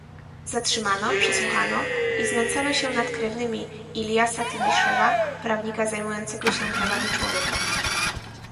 Zatrzymano, przesłuchano i znęcano się nad krewnymi Iljasa Timiszewa, prawnika zajmującego się prawami człowieka